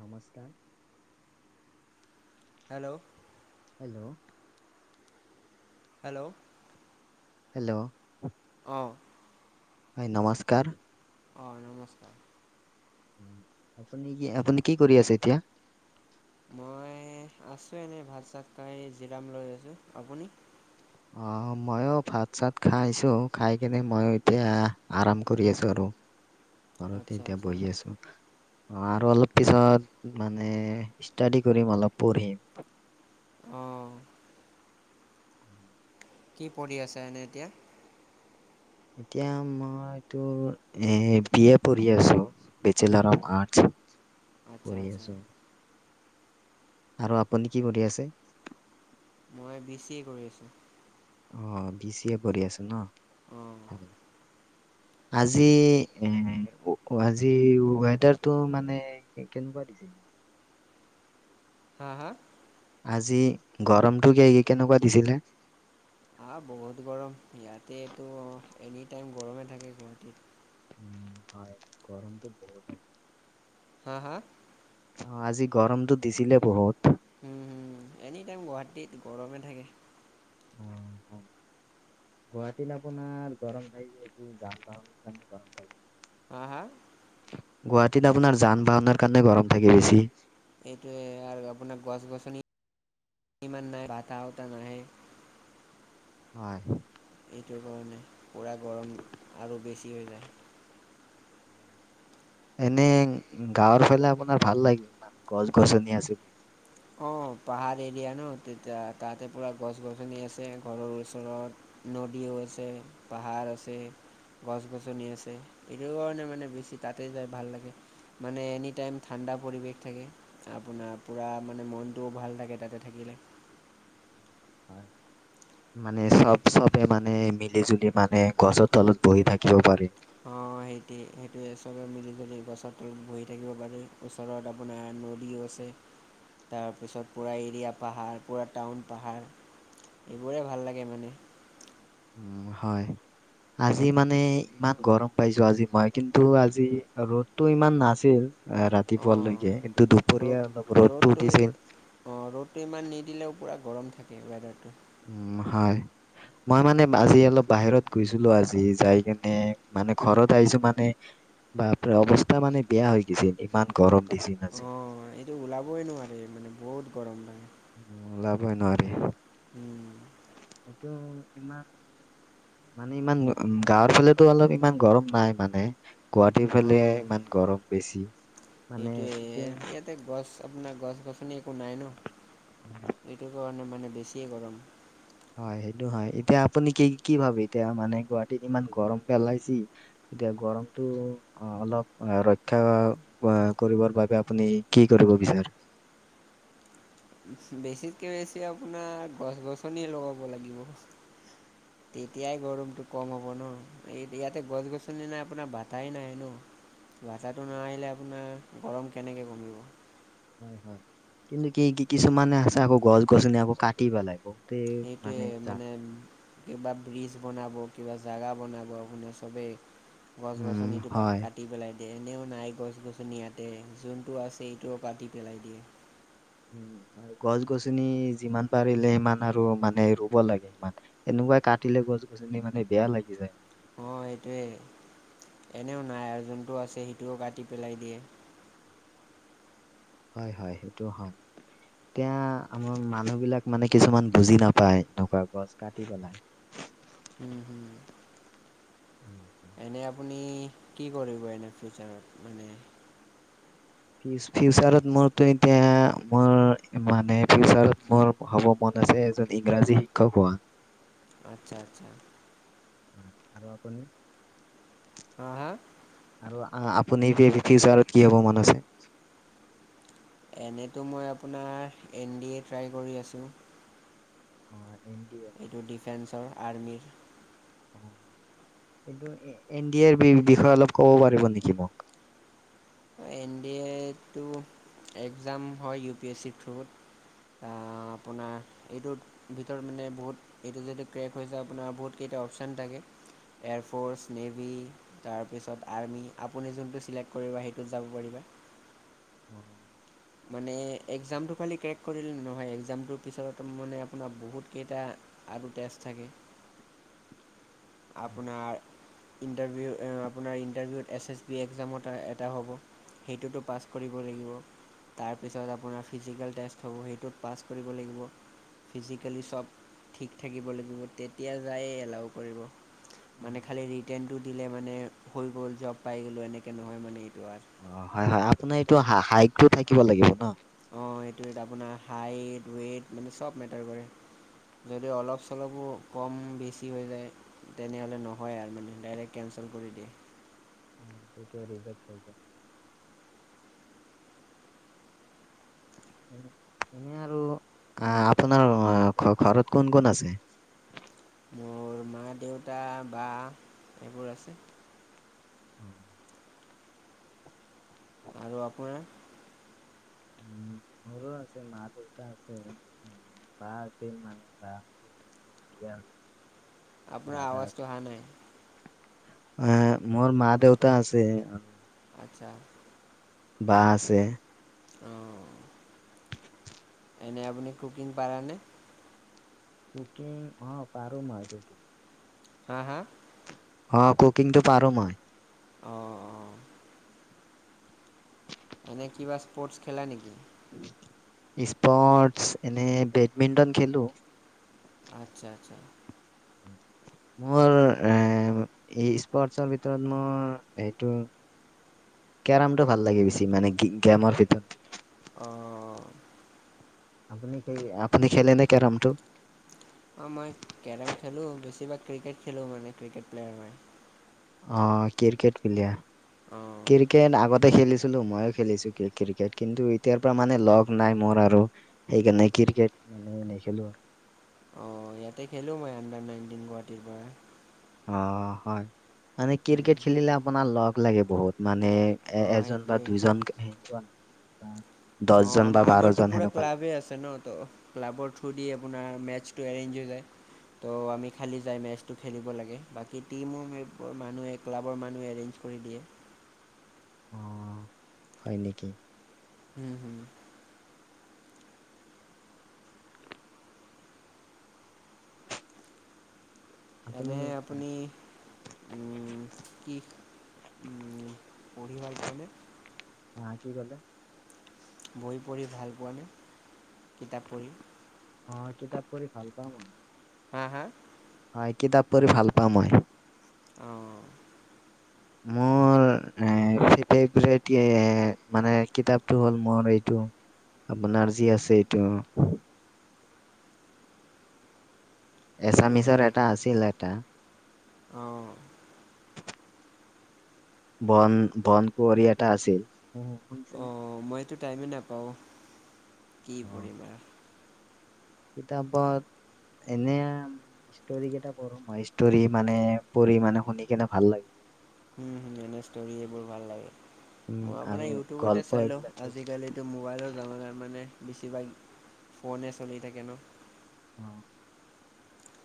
নমস্কাৰ, hello! Hello! Hello! Hello! অঁ। হয়, নমস্কাৰ অঁ, নমস্কাৰ অ, আপুনি কি, আপুনি কি কৰি আছে এতিয়া? মই আছোঁ এনেই। ভাত-চাত খাই জিৰাম লৈ আছোঁ। আপুনি? অঁ, মইও ভাত-চাত খাই আহিছোঁ। খাই কিনে মইও এতিয়া আৰাম কৰি আছো আৰু। ঘৰতে আচ্ছা এতিয়া আচ্ছা বহি আছোঁ। অঁ আৰু অলপ পিছত মানে ষ্টাডি কৰিম অলপ পঢ়িম। অঁ। কি পঢ়ি আছা এনেই এতিয়া? এতিয়া মই মইতো এ বি এ পঢ়ি আছোঁ। বেচেলৰ অফ আৰ্টছ আচ্ছা, আচ্ছা। আৰু আপুনি কি কৰি আছে? মই বি চি এ কৰি আছোঁ। অঁ, বি চি এ পঢ়ি আছ ন'? অঁ ভাল। আজি এ ৱ আজি ৱ ৱেডাৰটো মানে এ কেনেকুৱা দিছিল? হাঁ, হাঁ। আজি গৰমটো কি কি কেনেকুৱা দিছিলে? আহ্হা, বহুত গৰম। ইয়াতেটো এনিটাইম গৰমেই থাকে গুৱাহাটীত। উম, হয় গৰমটো বহুত থাকে। হাঁ, হাঁ? অঁ, আজি গৰমটো দিছিলে বহুত। উম, উম এনিটাইম গুৱাহাটীত গৰমে থাকে। অঁ, অঁ। গুৱাহাটীত আপোনাৰ গৰম থাকে এইটো যান-বাহনৰ কাৰণে গৰম থাকে। হাঁ, হাঁ? গুৱাহাটীত আপোনাৰ যান বাহনৰ কাৰণে গৰম থাকে বেছি। সেইটোৱে আৰু আপোনাৰ গছ গছনি ইমান নাই, বতাহ উতাহ নাই। হয়। সেইটো কাৰণে পোৰা গৰম, আৰু বেছি হৈ যায়। এনে গাঁৱৰ ফালে আপোনাৰ ভাল লাগে মানে গছ গছনি আছে। বহুত। অঁ, পাহাৰ এৰিয়া ন তেতিয়া তাতে পুৰা গছ গছনি আছে ঘৰৰ ওচৰত। নদীও আছে পাহাৰ আছে। গছ গছনি আছে এইটো কাৰণে মানে বেছি তাতে যায় ভাল লাগে। মানে এনি টাইম ঠাণ্ডা পৰিৱেশ থাকে আপোনাৰ পোৰা মানে মানে মনটোও ভাল লাগে তাতে থাকিলে। হয়। মানে চব চব, চবেই মানে মিলি জুলি মানে গছৰ তলত বহি থাকিব পাৰি। অঁ, সেইটোৱে সেইটোৱে চবেই মিলি জুলি গছৰটো বহি থাকিব পাৰি। ওচৰত আপোনাৰ নদীও আছে। তাৰপিছত পুৰা এৰিয়া পাহাৰ পুৰা টাউন পাহাৰ। এইবোৰে ভাল লাগে মানে। উম হয়। আজি মানে ইমান গৰম পাইছো আজি মই কিন্তু আজি ৰ'দটো ইমান নাছিল। এ ৰাতিপুৱা লৈকে। কিন্তু অঁ ৰ'দ দুপৰীয়া অলপ ৰ'দটো উঠিছিল। অঁ, ৰ'দটো ইমান নিদিলেও পুৰা গৰম থাকে ৱেডাৰটো। উম হয়। মই মানে আজি অলপ বাহিৰত গৈছিলো আজি যাই কিনে মানে ঘৰত আহিছো মানে বাপৰে অৱস্থা মানে বেয়া হৈ গৈছিল, ইমান গৰম দিছিল আজি। কতো ওলাবই নোৱাৰে মানে বহুত গৰম লাগে। উম ওলাবই নোৱাৰি। উম। সেইটো ইমান মানে ইমান গাঁৱৰ ফালেতো অলপ ইমান গৰম নাই মানে। গুৱাহাটীৰ ফালে অঁ ইমান গৰম বেছি। মানে সেইটোৱে এতিয়া ইয়াতে গছ আপোনাৰ গছ গছনি একো নাই ন। এইটোৰ কাৰণে মানে বেছিয়ে গৰম। হয় সেইটো হয়। এতিয়া আপুনি কি কি ভাবে এতিয়া মানে গুৱাহাটীত ইমান গৰম পেলাইছি? এতিয়া গৰমটো অ', অলপ ৰক্ষা কৰিবৰ বাবে আপুনি কি কৰিব বিচাৰে? বেছিতকে বেছি আপোনাৰ গছ গছনি লগাব লাগিব। [inaudible] তেতিয়াই গৰমটো কম হ'ব ন এই ইয়াতে গছ গছনি নাই আপোনাৰ বাতাই নাই ন। বাতাহটো নাহিলে আপোনাৰ গৰম কেনেকৈ কমিব? হয় হয়। কিন্তু কি কি কিছুমানে আছে আকৌ গছ গছনি আকৌ কাটি পেলাব। সেইটোৱে মানে কিবা ব্ৰিজ বনাব কিবা জাগা বনাব আপোনাৰ চবেই গছ উম গছনিটো বা হয় কা টি পেলাই দিয়ে, এনেও নাই গছ গছনি ইয়াতে, যোনটো আছে সেইটোও কাটি পেলাই দিয়ে। উম হয়। গছ গছনি যিমান পাৰিলে সিমান আৰু মানে ৰুব লাগে মানে। এনেকুৱা কাটিলে গছ গছনি মানে বেয়া লাগি যায়। অ', সেইটোৱেই, এনেও নাই আৰু যোনটো আছে সেইটোও কাটি পেলাই দিয়ে। হয় হয়, সেইটো হয়। এতিয়া আমাৰ মানুহ বিলাক মানে কিছুমান বুজি নাপায়, এনেকুৱা গছ কাটি পেলাই। উম হুম। [inaudible] এনে আপুনি, কি কৰিব এনে ফিউচাৰত মানে ফিউচাৰত মোৰতো এতিয়া মোৰ, মানে ফিউচাৰত মোৰ হ'ব মন আছে, এজন ইংৰাজী শিক্ষক হোৱা। আচ্ছা আচ্ছা। হয় আৰু আপুনি? হা হা? আৰু আ আপুনি এ ফি ফিউচাৰত কি হ'ব মন আছে? এনেতো মই আপোনাৰ এন ডিয়ে ট্ৰাই কৰি আছোঁ। অ', এন ডি এ? এইটো ডিফেন্সৰ আৰ্মীৰ। অ এন ডি এৰ বি বিষয়ে অলপ ক'ব পাৰিব নেকি মোক? এন ডি এ টো, এক্জাম হয়, ইউ পি এছ চিৰ থ্ৰুত। আ আপোনাৰ এইটোত ভিতৰত মানে বহুত, এইটো যদি ক্ৰেক হৈ যায় আপোনাৰ বহুত কেইটা অপচন থাকে। এয়াৰফ'ৰ্চ, নেভি, তাৰপিছত আৰ্মি আপুনি যোনটো চিলেক্ট কৰিব সিটো [unintelligible] [inaudible] মানে এক্জামটো খালি ক্ৰেক কৰিলে নহয়, এক্জামটোৰ পিছত মানে আপোনাৰ বহুতকেইটা আৰু টেষ্ট থাকে। [inaudible] আপোনাৰ ইণ্টাৰভিউ এ আপোনাৰ ইণ্টাৰভিউত, এছ এছ বি এক্সাম ত এটা হ'ব। সেইটোতো পাছ কৰিব লাগিব। তাৰপিছত আপোনাৰ ফিজিকেল টেষ্ট হ'ব, সেইটোত পাছ কৰিব লাগিব। ফিজিকেলি চব, ঠিক থাকিব লাগিব, তেতিয়া যায় এলাউ কৰিব। মানে খালী ৰিটেনটো দিলে মানে, হৈ গ'ল জব পাই গ'লোঁ, এনেকে নহয় মানে এইটো আৰু। অ', হয় হয়, আপোনাৰ এইটো হ হাইটটো থাকিব লাগিব ন? অ', এইটো আপোনাৰ, হাইট ৱেইট মানে চব মেটাৰ কৰে। যদি অলপ চলপো কম বেছি হৈ যায় তেনেহ'লে নহয় আৰু মানে ডাইৰেক্ট কেনঞ্চেল কৰি দিয়ে। অ', তেতিয়া ৰিজেক্ট হৈ যায়। এনে আৰু, আপোনাৰ ঘ ঘৰত কোন কোন আছে? মোৰ মা দেউতা বা, সেইবোৰ আছে। অ, আৰু আপোনাৰ? উম। মোৰো আছে মা দেউতা আছে, উ বা আছিল মানে বা এতিয়া আপোনাৰ আৱাজটো অহা নাই। আহ, মোৰ মা দেউতা আছে। আচ্ছা। বা আছে। অঁ। এনেই আপুনি কুকিং পাৰা নে। কুকিং অ পাৰো। হা হা অ কুকিং টো পাৰো মই। অঁ অঁ। এনে কিবা স্পৰ্টছ খেলা নেকি। স্পৰ্টছ এনে বেডমিন্টন খেলো। আচ্ছা আচ্ছা। [inaudible] মোৰ এ স্পৰ্টচৰ ভিতৰত মোৰ এইটো কেৰম টো ভাল লাগে বেছি মানে গে গেমৰ ভিতৰত অঁ। আপুনি খেলে নে কেৰমটো। অঁ মই কেৰম খেলোঁ বেছিভাগ ক্ৰিকেট খেলোঁ মানে ক্ৰিকেট প্লেয়াৰ হয়। অ ক্ৰিকেট প্লেয়াৰ। অঁ। ক্ৰিকেট আগতে খেলিছিলো ময়ো খেলিছো ক্ৰিকেট কিন্তু এতিয়াৰ পৰা মানে লগ নাই মোৰ আৰু। সেইকাৰণে ক্ৰিকেট মানে নেখেলো আৰু। অ ইয়াতে খেলো মই আণ্ডাৰ নাইনটিন গুৱাহাটীৰ পৰা। অ হয় মানে উম, ক্ৰিকেট খেলিলে আপোনাৰ লগ লাগে বহুত মানে। এ অঁ এজন বা সেইটোৱে দুইজন এনেকুৱা নহয়। অ দহজন বা আমাৰ আমাৰতো বাৰজন পুৰা সেনেকুৱা লাগে। ক্লাবে আছে ন ত। ক্লাবৰ থ্ৰু দি আপোনাৰ মেটচটো এৰেঞ্জ হৈ যায়। ত' আমি খালি যায় মেচটো খেলিব লাগে বাকী টিমো মানুহে ক্লাবৰ মানুহে এৰেঞ্জ। কৰি দিয়ে। অ হয় নেকি। হম হুম। আপুনি এনে আপুনি। উম কি পঢ়ি ভাল পোৱানে। হা কি কলে। বহি পঢ়ি ভাল পোৱা নে কিতাপ পঢ়ি। অ কিতাপ পঢ়ি ভাল পাওঁ মই। হা, হা। হয়, কিতাপ পঢ়ি ভাল পাওঁ মই। অ'। মোৰ এ। এইফালে দিয়ে, মানে কিতাপটো হ'ল মোৰ এইটো। আপোনাৰ যি আছে এইটো। কোনটো এছামিছৰ এটা আছিল এটা। অ'। বন, বন কুঁৱৰী এটা আছিল। শুনিছেনে অঁ মইতো টাইমেই নাপাওঁ কি কৰিবা। কিতাপত এনেআও। ষ্ট'ৰি কেইটা পঢ়োঁ মই, ষ্ট'ৰি মানে পঢ়ি মানে শুনি কেনে ভাল লাগে। উম এনে ষ্ট'ৰি এইবোৰ ভাল লাগে। উম মই আৰু মানে ইউটিউবতে গল্প চাই এইবিলাক লওঁ পঢ়ো। আজিকালি। ত মোবাইলৰ জামানাৰ মানে বেছিভাগ ফনে চলি থাকে ন? অ'।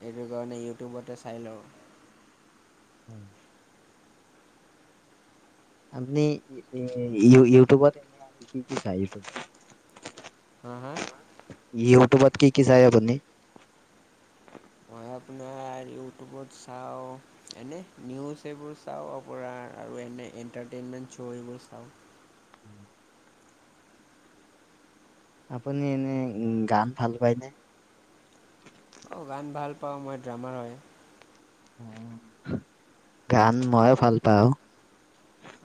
সেইটো কাৰণে ইউটিউবতে চাই লওঁ। হয়। আপনি ই ইউ-ইউটিউবত কি কি চাই, ইউটিউব হা, হা ইউটিউবত কি কি চাই আপুনি? মই আপোনাৰ ইউটিউবত চাওঁ। এনে নিউজ এইবোৰ চাওঁ ৰপৰা আৰু এনে এণ্টাৰটেইনমেণ্ট শ্ব' এইবোৰ চাওঁ। উম। আপুনি এনে গান ভাল পায়নে? অ' গান ভাল পাওঁ, মই ড্ৰামাৰ হয়। অ', গান মইও ভাল পাওঁ।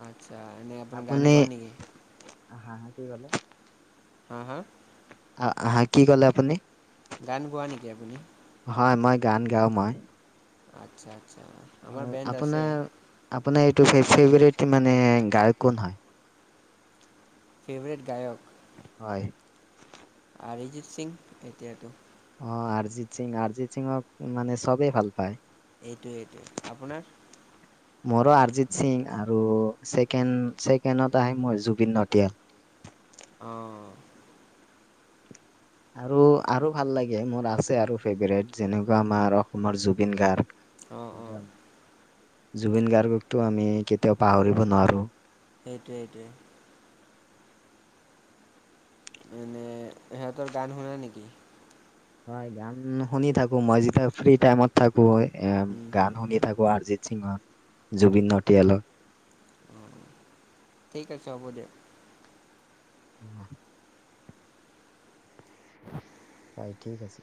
আচ্ছা, এনেই আপুনি গান গোৱা নেকি? হা, হা, হা কি ক'লে? হা, হা আ, আহা, কি ক'লে আপুনি? গান গোৱা নেকি আপুনি? হয়, মই গান গাওঁ মই। আচ্ছা, আচ্ছা আমাৰ বেণ্ড আছে। আপোনাৰ আপোনাৰ এইটো ফে-ফেভৰেট মানে গায়ক কোন হয়? ফেভৰেট গায়ক হয়। আৰ্জিত সিং এতিয়াটো। অ', আৰ্জিত সিং, আৰ্জিত সিঙক মানে চবেই ভাল পায়। এইটোৱে, এইটোৱে আপোনাৰ [unintelligible] মোৰো আৰ্জিত সিং আৰু ছেকেণ্ড, ছেকেণ্ডত আহে মই জুবিন নতীয়াল। অ'। আৰু, আৰু ভাল লাগে মোৰ আছে আৰু ফেভৰেট, যেনেকুৱা আমাৰ অসমৰ জুবিন গাৰ্গ। অ', অ'। জুবিন গাৰ্গকটো আমি কেতিয়াও পাহৰিব নোৱাৰো। সেইটোৱে এইটোৱে। এনে সিহঁতৰ গান শুনা নেকি? হয়, গান শুনি থাকোঁ, মই যেতিয়া ফ্ৰী টাইমত থাকোঁ, এ হুম হুম গান শুনি থাকোঁ আৰ্জিত সিংৰ, জুবিন নটিয়ালৰ ঠিক আছে হ'ব দিয়া। উ [inaudible] হয় ঠিক আছে।